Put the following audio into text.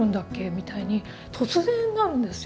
みたいに突然なるんですよ。